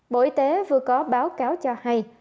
bộ y tế vừa có báo cáo cho hay